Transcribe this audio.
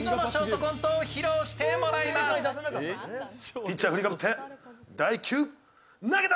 ピッチャー振りかぶって第１球投げた！